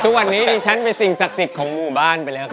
ทุกวันนี้ดิฉันเป็นสิ่งศักดิ์สิทธิ์ของหมู่บ้านไปแล้วครับ